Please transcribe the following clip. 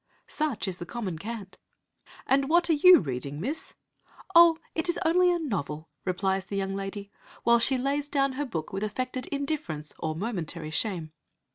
Such is the common cant. 'And what are you reading, Miss ?' 'Oh! it is only a novel!' replies the young lady; while she lays down her book with affected indifference, or momentary shame.